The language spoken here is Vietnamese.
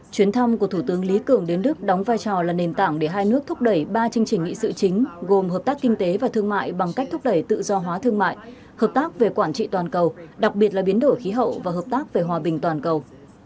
chuyến thăm của thủ tướng lý cường đến đức đóng vai trò là nền tảng để hai nước thúc đẩy ba chương trình nghị sự chính gồm hợp tác kinh tế và thương mại bằng cách thúc đẩy tự do hóa thương mại hợp tác về quản trị toàn cầu đặc biệt là biến đổi khí hậu và hợp tác về hòa bình toàn cầu